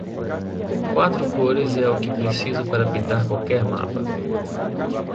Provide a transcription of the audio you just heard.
Quatro cores é o que preciso para pintar qualquer mapa.